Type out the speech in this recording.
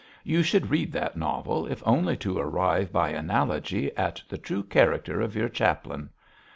You should read that novel if only to arrive by analogy at the true character of your chaplain.